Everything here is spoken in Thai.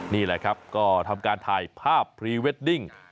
นี่แหละครับก็ทำการถ่ายภาพพรีเวดดิ้ง